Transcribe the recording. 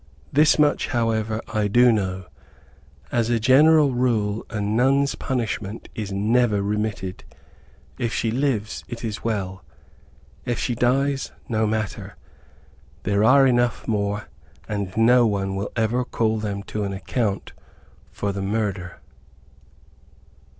This much, however, I do know, as a general rule a nun's punishment is never remitted. If she lives, it is well; if she dies, no matter; there are enough more, and no one will ever call them to an account for the murder.